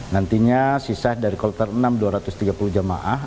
nantinya sisa dari kloter enam dua ratus tiga puluh jemaah